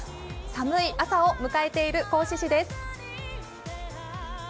寒い朝を迎えている合志市です。